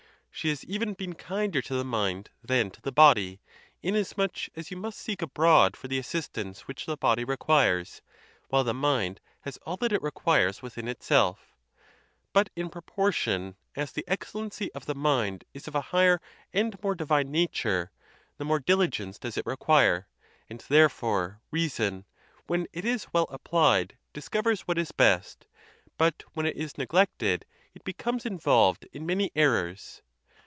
She has even been kinder to the mind than to the body; inas much as you must seek abroad for the assistance which the body requires, while the mind has all that it requires within itself. But in proportion as the excellency of the mind is of a higher and more divine nature, the more dil igence does it require; and therefore reason, when it is well applied, discovers what is best, but when it is neg lected, it becomes involved in many errors.